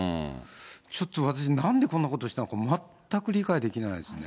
ちょっと私、なんでこんなことをしたのか、全く理解できないですね。